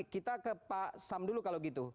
kita ke pak sam dulu kalau gitu